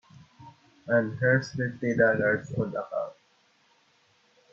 And here's fifty dollars on account.